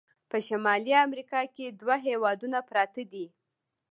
په شمالي امریکا کې دوه هیوادونه پراته دي.